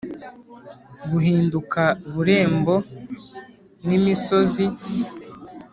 guhinduka Burembo n imisozi